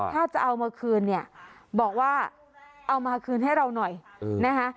ถ้าจะเอามาคืนเนี่ยบอกว่าเอามาคืนให้เราหน่อยนะคะ